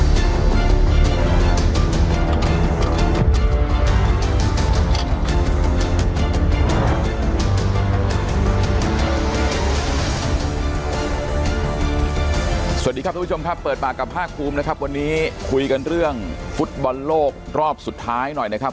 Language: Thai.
สวัสดีครับทุกผู้ชมครับเปิดปากกับภาคภูมินะครับวันนี้คุยกันเรื่องฟุตบอลโลกรอบสุดท้ายหน่อยนะครับ